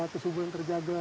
tersebut yang terjaga